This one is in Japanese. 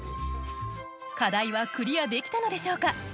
課題はクリアできたのでしょうか？